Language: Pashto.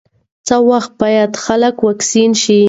څه وخت باید خلک واکسین شي؟